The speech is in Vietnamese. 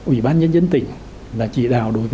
ủy ban nhân dân tỉnh là chỉ đạo đối với